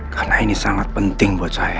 karena ini sangat penting buat saya